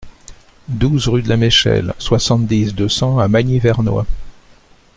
douze rue de la Mechelle, soixante-dix, deux cents à Magny-Vernois